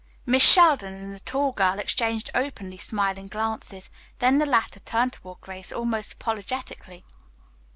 Miss Sheldon and the tall girl exchanged openly smiling glances, then the latter turned toward Grace almost apologetically.